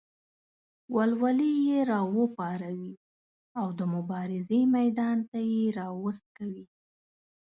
ولولې یې راوپاروي او د مبارزې میدان ته یې راوڅکوي.